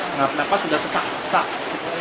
kenap napas udah sesak sesak